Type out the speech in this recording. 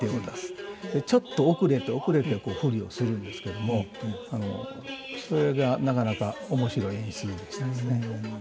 ちょっと遅れて遅れて振りをするんですけどもそれがなかなか面白い演出でしたですね。